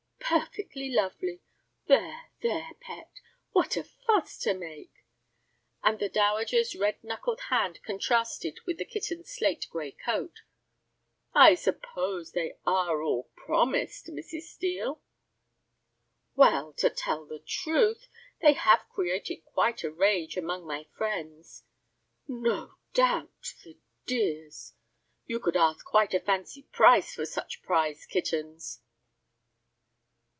"Perfectly lovely. There, there, pet, what a fuss to make!" and the dowager's red knuckled hand contrasted with the kitten's slate gray coat. "I suppose they are all promised, Mrs. Steel?" "Well, to tell the truth, they have created quite a rage among my friends." "No doubt, the dears. You could ask quite a fancy price for such prize kittens."